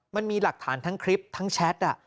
มันมีหลักฐานทั้งคลิปทั้งแชท